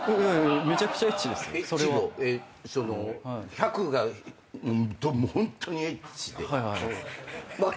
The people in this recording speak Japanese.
１００がホントにエッチで。